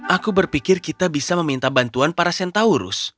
aku berpikir kita bisa meminta bantuan para centaurus